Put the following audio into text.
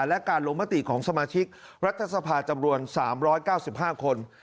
และการลงมติของสมาชิกรัฐสภาจำนวน๓๙๕คน